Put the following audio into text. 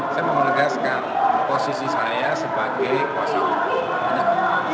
saya mengregaskan posisi saya sebagai kuasa hukum